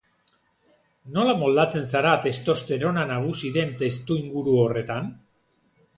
Nola moldatzen zara testosterona nagusi den testuinguru horretan?